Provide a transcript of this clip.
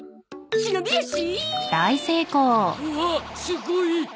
すごい。